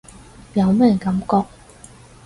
有咩感覺？